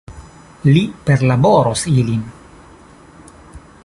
Li perlaboros ilin.